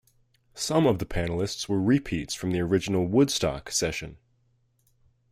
Some of the panelists were repeats from the original "Woodstock" session.